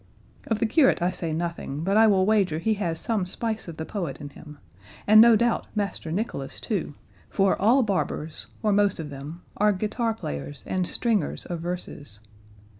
Of the curate I say nothing; but I will wager he has some spice of the poet in him, and no doubt Master Nicholas too, for all barbers, or most of them, are guitar players and stringers of verses.